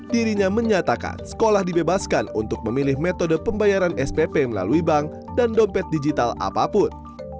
dirinya menyatakan sekolah dibebaskan untuk memilih metode pembayaran spp melalui bank dan dompet digital apapun